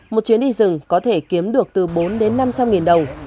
một chuyến đi rừng có thể kiếm được từ bốn đến năm trăm linh nghìn đồng